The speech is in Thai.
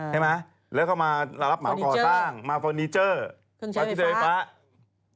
ใช่ไหมแล้วก็มารับเหมาก่อสร้างมาฟอนิเจอร์ฟอนิเจอร์ไฟฟ้าฟอนิเจอร์